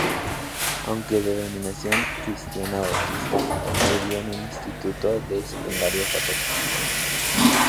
Aunque de denominación cristiana bautista, estudió en un instituto de secundaria católico.